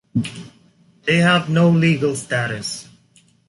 They have no legal status.